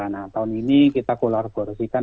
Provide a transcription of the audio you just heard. nah tahun ini kita kolaborasikan